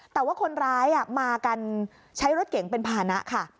แต่ว่าคนร้ายมากันใช้รถเก๋งเป็นภานะค่ะ